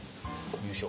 よいしょ。